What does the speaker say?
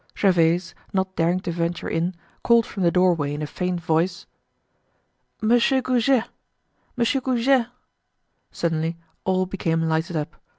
Gervaise, not daring to venture in, called from the doorway in a faint voice: "Monsieur Goujet! Monsieur Goujet!" Suddenly all became lighted up.